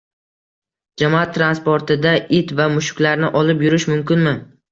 Jamoat transportida it va mushuklarni olib yurish mumkinmi?